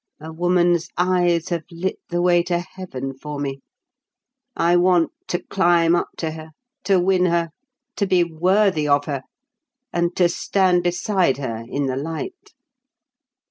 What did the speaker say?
A woman's eyes have lit the way to heaven for me. I want to climb up to her, to win her, to be worthy of her, and to stand beside her in the light."